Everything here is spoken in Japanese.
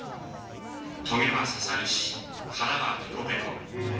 とげは刺さるし、腹はペコペコ。